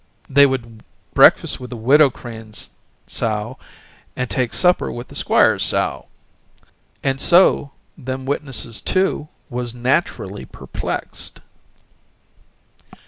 They would breakfast with the Widow Crane's sow and take supper with the squire's sow. And so them witnesses, too, was naturally perplexed."